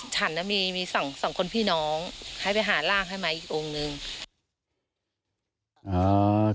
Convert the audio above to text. ฉันน่ะมีสองคนพี่น้องให้ไปหาร่างให้ไหมอีกองค์นึง